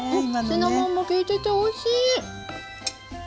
シナモンもきいてておいしい！